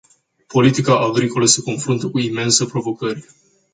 Politica agricolă se confruntă cu imense provocări.